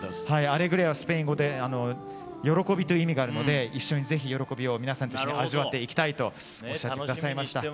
「アレグリア」はスペイン語で喜びという意味があるので一緒にぜひ喜びを皆さんと味わっていきたいとおっしゃってくださいました。